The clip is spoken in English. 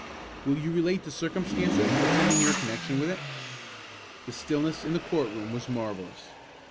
"Will you relate the circumstances attending your connection with it?" The stillness in the court room was marvellous.